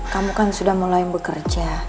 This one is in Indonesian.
kamu kan sudah mulai bekerja